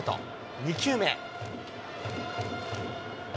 ２球目。